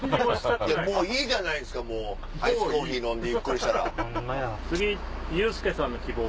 もういいじゃないですかアイスコーヒー飲んでゆっくりしたら。